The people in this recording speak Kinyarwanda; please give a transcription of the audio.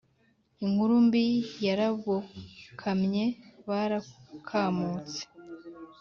inkuru mbi yarabokamye barakamutse,